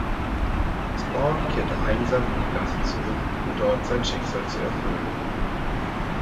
Spawn kehrt einsam in die Gasse zurück, um dort sein Schicksal zu erfüllen.